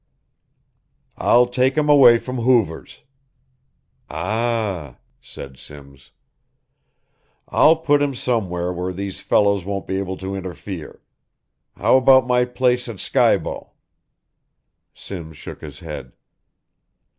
"I'll take him away from Hoover's." "Ah," said Simms. "I'll put him somewhere where these fellows won't be able to interfere. How about my place at Skibo?" Simms shook his head.